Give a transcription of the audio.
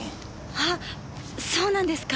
あっそうなんですか。